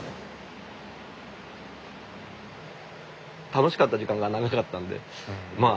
楽しかった時間が長かったんでまあ